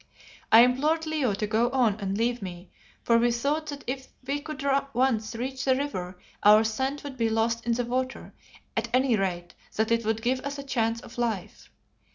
I implored Leo to go on and leave me, for we thought that if we could once reach the river our scent would be lost in the water; at any rate that it would give us a chance of life.